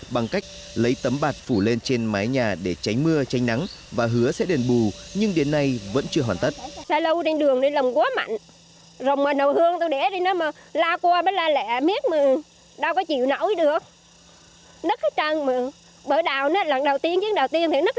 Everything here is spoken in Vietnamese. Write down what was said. bằng cách lấy tấm bạt phủ lên trên mái nhà để tránh mưa tranh nắng và hứa sẽ đền bù nhưng đến nay vẫn chưa hoàn tất